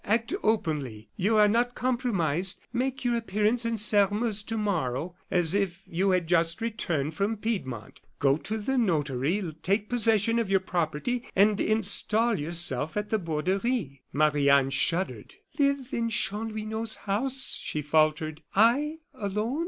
"Act openly; you are not compromised. Make your appearance in Sairmeuse to morrow as if you had just returned from Piedmont; go to the notary, take possession of your property, and install yourself at the Borderie." Marie Anne shuddered. "Live in Chanlouineau's house," she faltered. "I alone!"